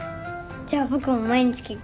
じゃあ僕も毎日聞く。